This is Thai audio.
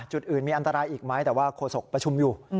จุดอื่นมีอันตรายอีกไหมแต่ว่าโฆษกประชุมอยู่